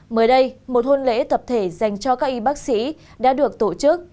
mới đây một hôn lễ tập thể dành cho các y bác sĩ đã được tổ chức